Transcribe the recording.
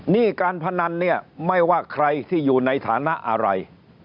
การพนันเนี่ยไม่ว่าใครที่อยู่ในฐานะอะไร